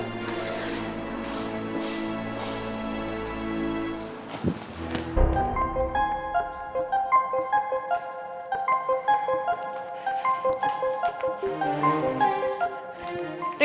kamu harus menjauhi haris dan menikah dengan andi